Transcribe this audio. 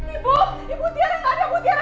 ibu ibu tiara gak ada ibu tiara